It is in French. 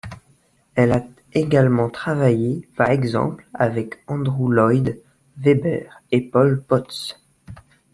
Elle a également travaillé par exemple avec Andrew Lloyd Webber et Paul Potts.